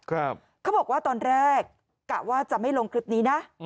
เขาบอกว่าตอนแรกกะว่าจะไม่ลงคลิปนี้นะ